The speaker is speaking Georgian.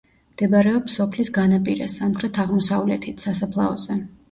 მდებარეობს სოფლის განაპირას, სამხრეთ-აღმოსავლეთით, სასაფლაოზე.